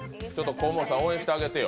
河本さん、応援してあげてよ。